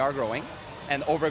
dan menguatkan pasar